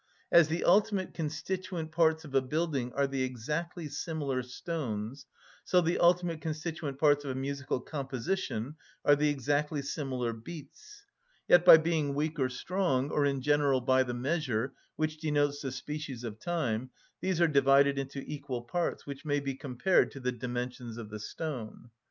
As the ultimate constituent parts of a building are the exactly similar stones, so the ultimate constituent parts of a musical composition are the exactly similar beats; yet by being weak or strong, or in general by the measure, which denotes the species of time, these are divided into equal parts, which may be compared to the dimensions of the stone.